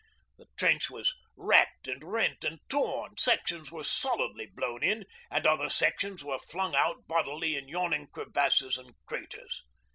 The trench was racked and rent and torn, sections were solidly blown in, and other sections were flung out bodily in yawning crevasses and craters.